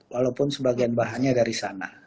walaupun sebagian bahannya dari sana